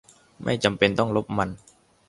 ไม่จำเป็นต้องลบมันไป